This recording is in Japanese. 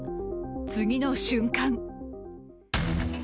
次の瞬間